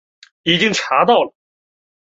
已经查到了